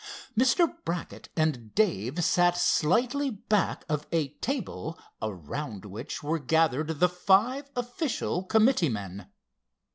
Mr. Brackett and Dave sat slightly back of a table around which were gathered the five official committeemen.